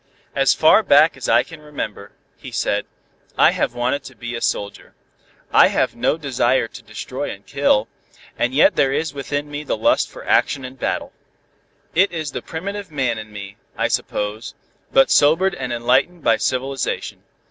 "As far back as I can remember," he said, "I have wanted to be a soldier. I have no desire to destroy and kill, and yet there is within me the lust for action and battle. It is the primitive man in me, I suppose, but sobered and enlightened by civilization.